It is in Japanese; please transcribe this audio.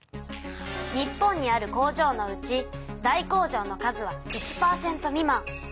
日本にある工場のうち大工場の数は１％未満。